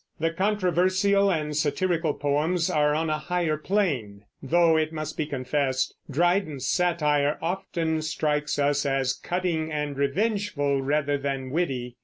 The controversial and satirical poems are on a higher plane; though, it must be confessed, Dryden's satire often strikes us as cutting and revengeful, rather than witty.